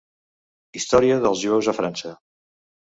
Història dels jueus a França.